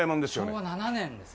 昭和７年です。